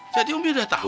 jadi umi udah tau